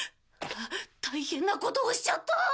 大変なことをしちゃった！